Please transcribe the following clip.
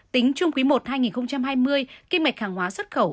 tính chung cuối một năm hai nghìn hai mươi kim ngạch hàng hóa xuất khẩu